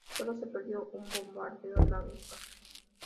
Sólo se perdió un bombardero Lancaster.